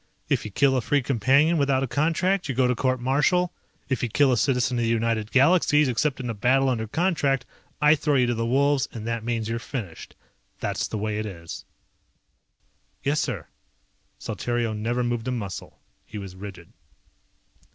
If you kill a Free Companion without a contract you go to court martial. If you kill a citizen of the United Galaxies except in a battle under contract I throw you to the wolves and that means you're finished. That's the way it is." "Yes, sir." Saltario never moved a muscle. He was rigid.